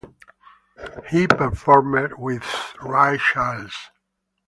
He performed with Ray Charles.